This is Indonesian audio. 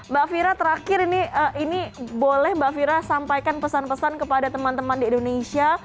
mbak fira terakhir ini boleh mbak fira sampaikan pesan pesan kepada teman teman di indonesia